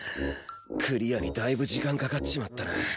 クリアにだいぶ時間かかっちまったな。